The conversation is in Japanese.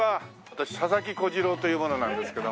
私佐々木小次郎という者なんですけども。